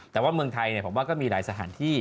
แต่ว่าเมืองไทยผมว่าก็มีหลายสถานที่